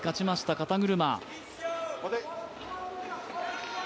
肩車。